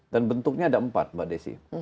dan bentuknya ada empat mbak desi